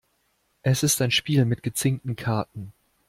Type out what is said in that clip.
Es ist ein Spiel mit gezinkten Karten.